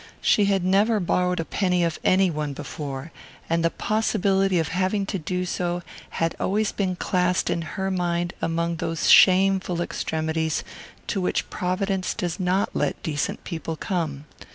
She had never borrowed a penny of any one before, and the possibility of having to do so had always been classed in her mind among those shameful extremities to which Providence does not let decent people come.